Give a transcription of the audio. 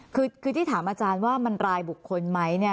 คือที่ถามอาจารย์ว่ามันรายบุคคลไหมเนี่ย